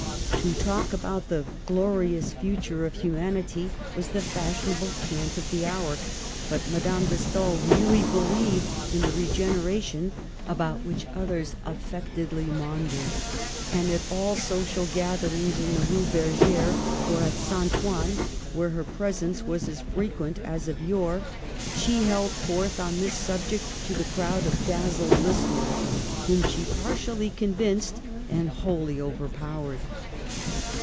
To talk about the glorious future of humanity was the fashionable cant of the hour, but Madame de Stael really believed in the re generation about which others affectedly maun dered ; and at all social gatherings in the Rue Berg&re, or at St. Ouen (where her presence was as frequent as of yore), she held forth on this subject to the crowd of dazzled listeners, whom she partially convinced and wholly overpowered.